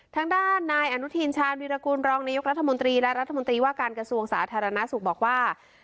ทางด้านนายอนุทินชาญวิรากูลรองนายกรัฐมนตรีและรัฐมนตรีว่าการกระทรวงสาธารณสุขบอกว่า